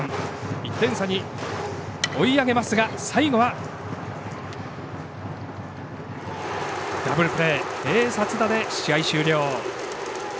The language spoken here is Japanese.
１点差に追い上げましたが最後はダブルプレー併殺打で試合終了。